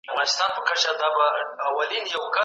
ماته یې توره تاته ډال هغه ته توپ ورکړی